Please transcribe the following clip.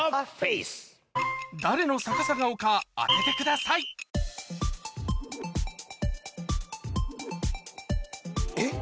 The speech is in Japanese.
誰の逆さ顔か当ててくださいえっ？